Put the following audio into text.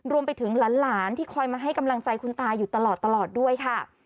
รวมไปถึงหลานที่คอยมาให้กำลังใจคุณตาอยู่ตลอดด้วยค่ะ